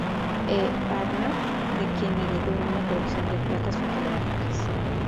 E. Barnard, de quien heredó una colección de placas fotográficas.